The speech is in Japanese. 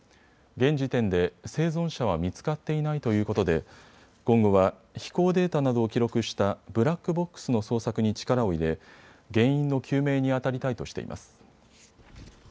現時点で生存者は見つかっていないということで今後は飛行データなどを記録したブラックボックスの捜索に力を入れ、原因の究明にあたりたいとしています。